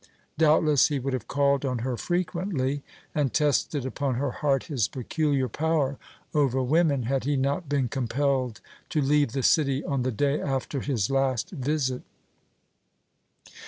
Doubtless he would have called on her frequently and tested upon her heart his peculiar power over women, had he not been compelled to leave the city on the day after his last visit.